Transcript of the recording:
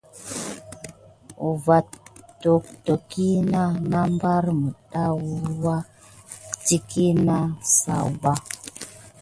Wat-tokowəni na ɓare miɖa wuya kiɗi net sayuɓa.